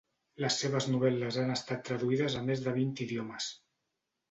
Les seves novel·les han estat traduïdes a més de vint idiomes.